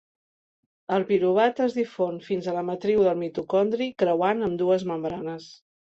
El piruvat es difon fins a la matriu del mitocondri, creuant ambdues membranes.